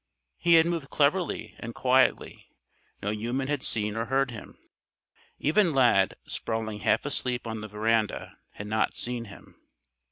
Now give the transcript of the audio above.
He had moved cleverly and quietly. No human had seen or heard him. Even Lad, sprawling half asleep on the veranda, had not seen him.